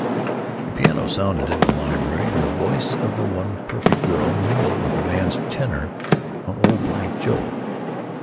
The piano sounded in the library, and the voice of the one perfect girl mingled with a man's tenor in "Old Black Joe."